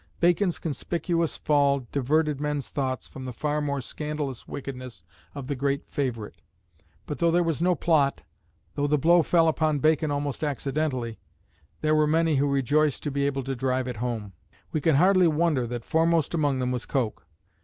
Bacon's conspicuous fall diverted men's thoughts from the far more scandalous wickedness of the great favourite. But though there was no plot, though the blow fell upon Bacon almost accidentally, there were many who rejoiced to be able to drive it home. We can hardly wonder that foremost among them was Coke.